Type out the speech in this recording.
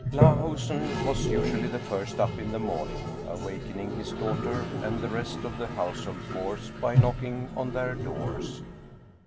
Lahusen was usually the first up in the morning, awaken ing his daughter and the rest of the household force by knocking on their doors.